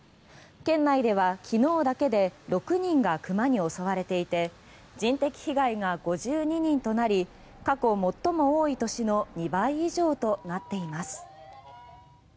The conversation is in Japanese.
県内ではきのうだけで６人がクマに襲われていて人的被害が５２人となり過去最も多い年の２倍以上となっています。